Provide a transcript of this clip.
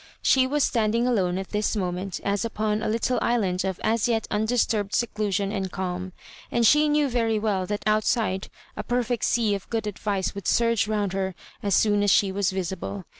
She was standing alone at this moment as Vpon a little island of as yet undisturbed seclusion and calm, and she knew very well that outside a perfect sea of good advice would surge round tier as soon as she was visible.